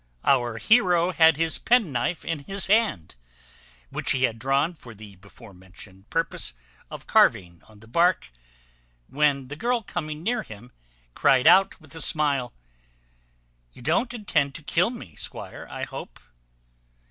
Our hero had his penknife in his hand, which he had drawn for the before mentioned purpose of carving on the bark; when the girl coming near him, cryed out with a smile, "You don't intend to kill me, squire, I hope!"